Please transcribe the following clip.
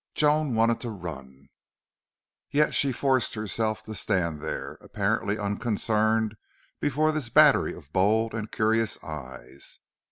Joan wanted to run, yet she forced herself to stand there, apparently unconcerned before this battery of bold and curious eyes.